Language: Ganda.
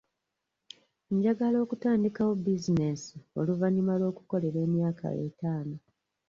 Njagala okutandikawo bizinensi oluvannyuma lw'okukolera emyaka etaano.